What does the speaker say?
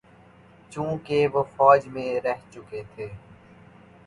چونکہ وہ فوج میں رہ چکے تھے۔